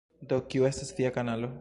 Do kiu estas via kanalo?